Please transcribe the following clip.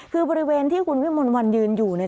คือบริเวณที่คุณวิมลวันยืนอยู่เนี่ย